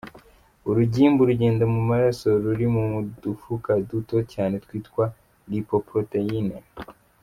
Urugimbu rugenda mu maraso ruri mu dufuka duto cyane twitwa lipoproteins.